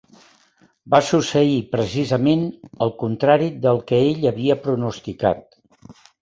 Va succeir precisament el contrari del que ell havia pronosticat.